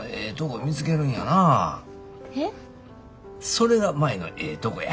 それが舞のええとこや。